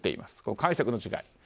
解釈の違い。